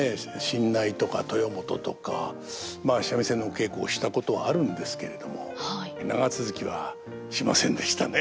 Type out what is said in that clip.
新内とか豊本とかまあ三味線のお稽古をしたことはあるんですけれども長続きはしませんでしたね。